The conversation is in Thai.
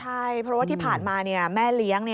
ใช่เพราะว่าที่ผ่านมาแม่เลี้ยง